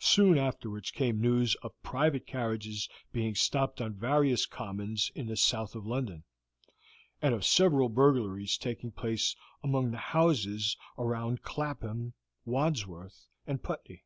Soon afterwards came news of private carriages being stopped on various commons in the South of London, and of several burglaries taking place among the houses round Clapham, Wandsworth, and Putney.